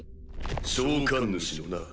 召喚主のな。